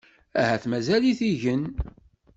Ahat mazal-it igen.